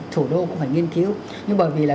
thủ đô cũng phải nghiên cứu nhưng bởi vì là